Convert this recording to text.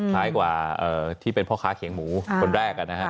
คล้ายกว่าที่เป็นพ่อค้าเขียงหมูคนแรกนะฮะ